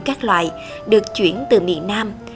các loại được chuyển từ miền nam